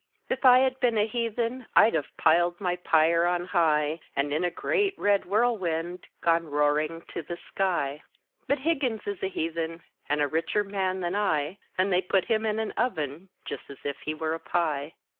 If I had been a Heathen, I'd have piled my pyre on high, And in a great red whirlwind Gone roaring to the sky; But Higgins is a Heathen, And a richer man than I; And they put him in an oven, Just as if he were a pie.